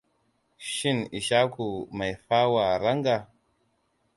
Shin Ishaku Mai Fawa Ranga?